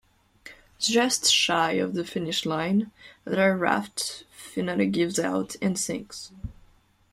Just shy of the finish line, their raft finally gives out and sinks.